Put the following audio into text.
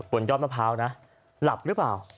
บนยอดมะพร้าวนะหลับหรือเปล่า